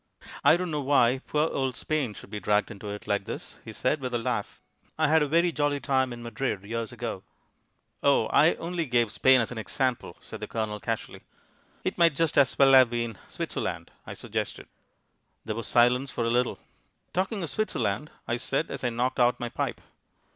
"I don't know why poor old Spain should be dragged into it like this," he said, with a laugh. "I had a very jolly time in Madrid years ago." "O, I only gave Spain as an example," said the Colonel casually. "It might just as well have been Switzerland?" I suggested. There was silence for a little. "Talking of Switzerland " I said, as I knocked out my pipe.